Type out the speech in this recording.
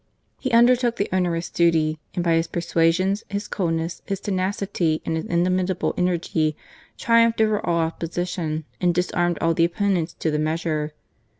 He undertook the onerous duty, and by his persua sions, his coolness, his tenacity, and his indomitable energy, triumphed over all opposition and disarmed all the opponents to the measure.